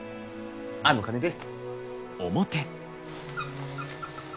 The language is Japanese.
あの金で。